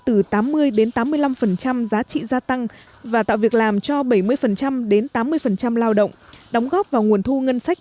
từ tám mươi đến tám mươi năm giá trị gia tăng và tạo việc làm cho bảy mươi đến tám mươi lao động đóng góp vào nguồn thu ngân sách